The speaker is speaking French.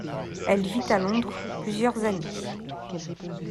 Elle vit à Londres plusieurs années.